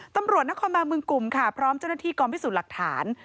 ตำรวจนครบานเมืองกลุ่มค่ะพร้อมเจ้าหน้าที่กองพิสูจน์หลักฐาน